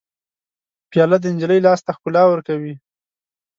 پیاله د نجلۍ لاس ته ښکلا ورکوي.